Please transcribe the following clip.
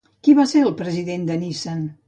Qui va ser president de Nissan?